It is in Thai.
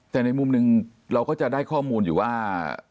แต่ในมุมหนึ่งเราก็จะได้ข้อมูลอยู่ว่า